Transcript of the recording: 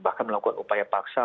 bahkan melakukan upaya paksa